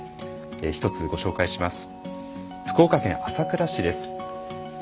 １つご紹介します。